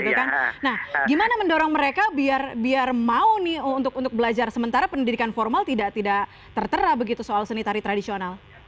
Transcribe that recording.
nah gimana mendorong mereka biar mau nih untuk belajar sementara pendidikan formal tidak tertera begitu soal seni tari tradisional